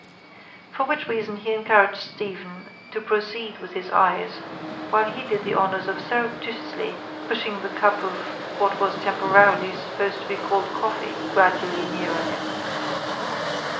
For which reason he encouraged Stephen to proceed with his eyes while he did the honours by surreptitiously pushing the cup of what was temporarily supposed to be called coffee gradually nearer him.